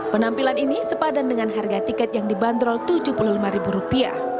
penampilan ini sepadan dengan harga tiket yang dibanderol rp tujuh puluh lima